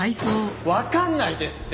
わかんないですって！